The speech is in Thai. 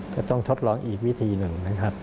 ก็ต้องทดลองอีกวิธีหนึ่งนะครับ